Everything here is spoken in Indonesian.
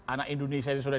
anak indonesia sudah